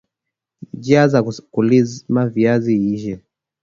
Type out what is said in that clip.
Njia za kulima viazi lishe